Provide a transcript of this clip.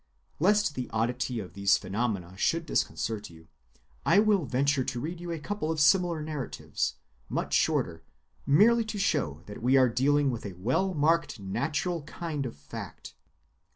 Lest the oddity of these phenomena should disconcert you, I will venture to read you a couple of similar narratives, much shorter, merely to show that we are dealing with a well‐marked natural kind of fact.